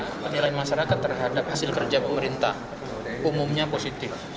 penilaian masyarakat terhadap hasil kerja pemerintah umumnya positif